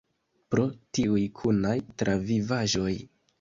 Pro tiuj kunaj travivaĵoj.